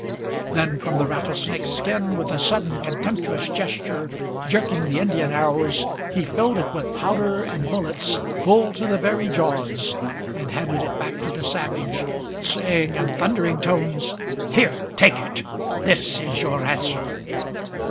Then from the rattlesnake's skin, with a sudden, contemptuous gesture, Jerking the Indian arrows, he filled it with powder and bullets Full to the very jaws, and handed it back to the savage, Saying, in thundering tones: "Here, take it! this is your answer!"